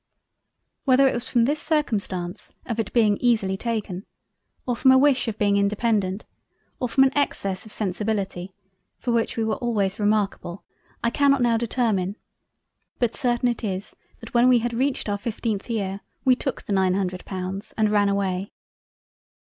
Whether it was from this circumstance, of its being easily taken, or from a wish of being independant, or from an excess of sensibility (for which we were always remarkable) I cannot now determine, but certain it is that when we had reached our 15th year, we took the nine Hundred Pounds and ran away.